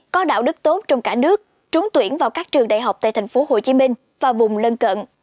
có đạo đức tốt trong cả nước trúng tuyển vào các trường đại học tại tp hcm và vùng lân cận